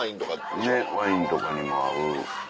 ねっワインとかにも合う。